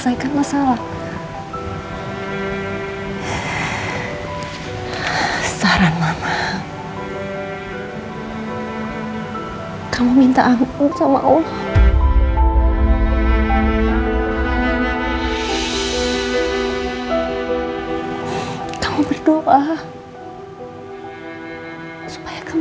sangat bersalah melihat andin terluka